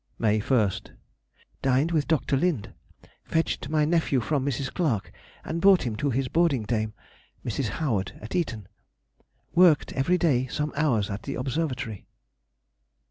May 1st.—Dined with Dr. Lind. Fetched my nephew from Mrs. Clark and brought him to his boarding dame, Mrs. Howard, at Eton. Worked every day some hours at the Observatory.